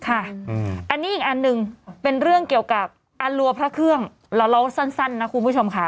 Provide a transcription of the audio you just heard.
อันนี้อีกอันหนึ่งเป็นเรื่องเกี่ยวกับอรัวพระเครื่องเราเล่าสั้นนะคุณผู้ชมค่ะ